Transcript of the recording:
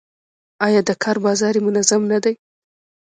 آیا د کار بازار یې منظم نه دی؟